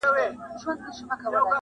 په لوی لاس ځان د بلا مخي ته سپر کړم٫